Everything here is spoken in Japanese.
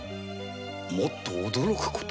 もっと驚く事？